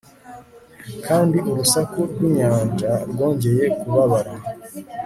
kandi urusaku rw'inyanja rwongeye kubabara